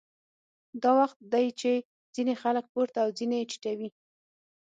دا وخت دی چې ځینې خلک پورته او ځینې ټیټوي